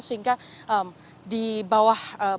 sehingga di bawah permukaan laut sendiri